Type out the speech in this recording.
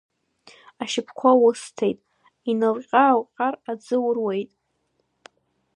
Ашьапқәа усҭеит, инауҟьа-аауҟьар аӡы уруеит.